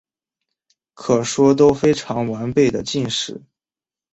可说都非完备的晋史。